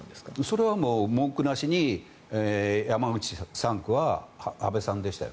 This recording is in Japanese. それは文句なしに山口３区は安倍さんでしたよ。